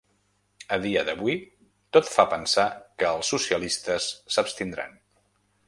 A dia d’avui, tot fa pensar que el socialistes s’abstindran.